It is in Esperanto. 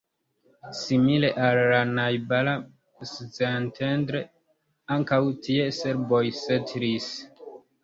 Simile al la najbara Szentendre, ankaŭ tie serboj setlis.